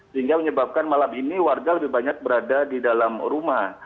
sehingga menyebabkan malam ini warga lebih banyak berada di dalam rumah